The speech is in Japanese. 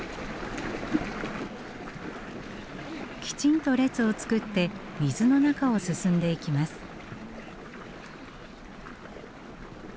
きちんと列を作って水の中を進んでいきます。